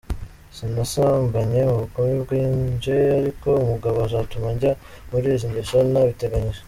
Sinasambanye mu bukumi bwanjte Aliko umugabo azatuma njya muri Izo ngeso ntabiteganije.